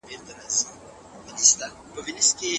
پخوانی فکر تر نوي فکر کمزوری و.